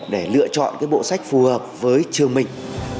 để lựa chọn bộ sách phù hợp với trường mình